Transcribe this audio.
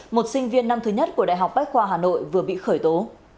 một sinh viên năm thứ nhất của đại học bách khoa hà nội vừa bị khởi tố